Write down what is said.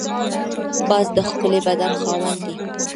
باز د ښکلي بدن خاوند دی